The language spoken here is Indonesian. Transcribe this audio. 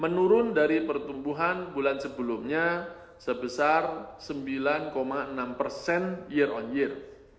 menurun dari pertumbuhan bulan sebelumnya sebesar sembilan enam persen year on year